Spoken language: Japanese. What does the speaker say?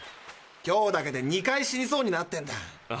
今日だけで２回死にそうになってんだ。